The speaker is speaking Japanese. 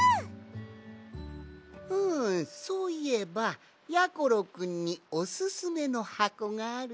ふんそういえばやころくんにおすすめのはこがあるぞい。